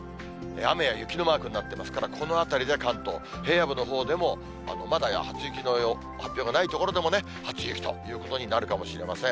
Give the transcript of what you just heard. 雨や雪のマークになっていますから、このあたりで関東、平野部のほうでも、まだ初雪の発表がない所でもね、初雪ということになるかもしれません。